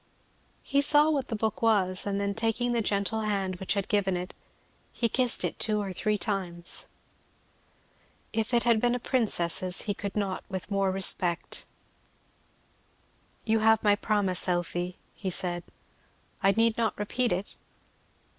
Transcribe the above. He saw what the book was; and then taking the gentle hand which had given it, he kissed it two or three times. If it had been a princess's he could not with more respect. "You have my promise, Elfie," he said. "I need not repeat it?"